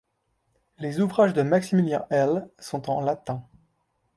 Les ouvrages de Maximilien Hell sont en latin.